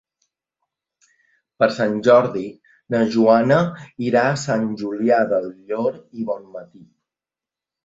Per Sant Jordi na Joana irà a Sant Julià del Llor i Bonmatí.